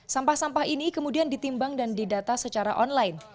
sampah sampah ini kemudian ditimbang dan didata secara online